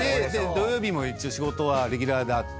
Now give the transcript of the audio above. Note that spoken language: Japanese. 土曜日も一応仕事はレギュラーであって。